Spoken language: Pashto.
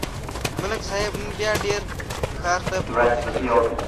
ملک صاحب نن بیا ډېر کارته پورته کېږي.